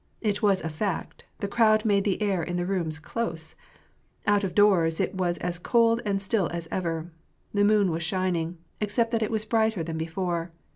It was a fact, the crowd made the air in the rooms close. Out of doors it was as cold and still as ever; the moon was shining, except that it was brighter than before.